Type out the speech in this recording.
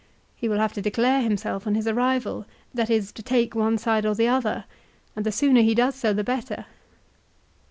He will have to declare himself on his arrival, that is to take one side or the other, and the sooner he does so the better.